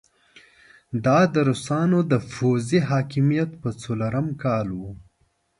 دا د روسانو د پوځي حاکميت په څلورم کال وو.